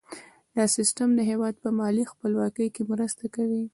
دا سیستم د هیواد په مالي خپلواکۍ کې مرسته کوي.